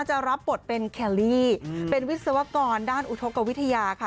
จะรับบทเป็นแคลลี่เป็นวิศวกรด้านอุทธกวิทยาค่ะ